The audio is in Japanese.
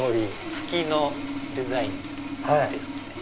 月のデザインですかね。